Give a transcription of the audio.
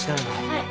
はい。